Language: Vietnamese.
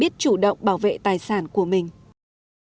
vì vậy chúng ta cũng không sử dụng điều kiện đó nổi tiếng này